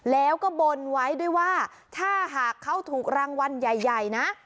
แล้วก็บนไว้ด้วยว่าถ้าหากเขาถูกรางวัลใหญ่นะ